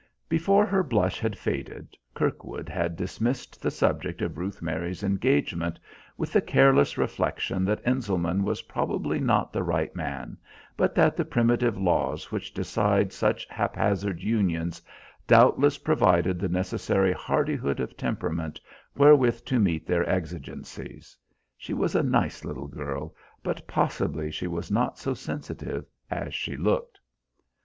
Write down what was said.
Before her blush had faded, Kirkwood had dismissed the subject of Ruth Mary's engagement, with the careless reflection that Enselman was probably not the right man, but that the primitive laws which decide such haphazard unions doubtless provided the necessary hardihood of temperament wherewith to meet their exigencies. She was a nice little girl, but possibly she was not so sensitive as she looked.